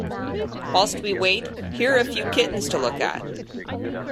Whilst we wait, here are a few kittens to look at.